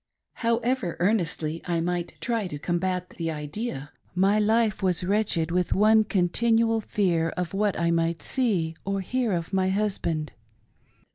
However earnestly I might try to combat the idea, my life was wretched with the one continual fear of what I might see or hear of my husband.